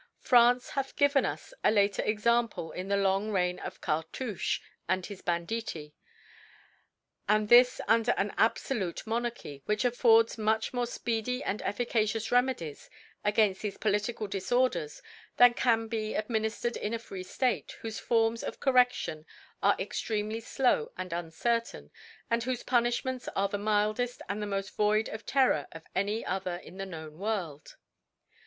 France hath given us a later Example in the long Reign of Car^ touchCy and his Banditi ; and this under an abfolute Monarchy, which affords much more fpeedy and efficacious Remedies a ' gainft thefe political Dforders, than can be adminiftred in a free State, whofe Forms of Corredion are extremely flow and incertain, and whofe Puniffimejits are the mildeft and the mofl: void of Terror of any other in the known World.